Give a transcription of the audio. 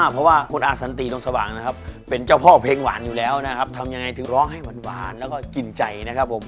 เพราะว่าคุณอาสันตรีดวงสว่างนะครับเป็นเจ้าพ่อเพลงหวานอยู่แล้วนะครับทำยังไงถึงร้องให้หวานแล้วก็กินใจนะครับผม